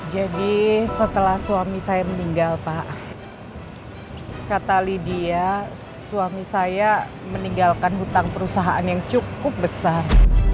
jadi setelah suami saya meninggal pak kata lydia suami saya meninggalkan hutang perusahaan yang cukup besar